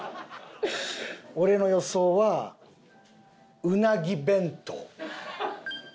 俺の予想はうなぎ弁当。